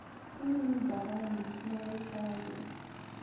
Ini-iyi-d ṛṛay-nnek, ma ulac aɣilif.